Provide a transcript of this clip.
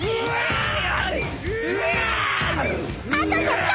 あと１００回！